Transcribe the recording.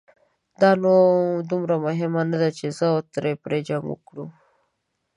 دا نو دومره مهمه نه ده، چې زه او ترې پرې جنګ وکړو.